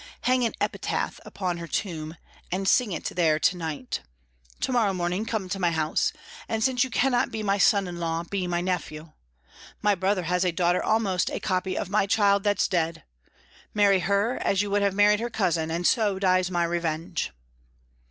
Hang an epitaph upon her tomb, and sing it there to night. To morrow morning come to my house, and since you cannot be my son in law, be my nephew. My brother has a daughter almost the copy of my child that's dead. Marry her, as you would have married her cousin, and so dies my revenge."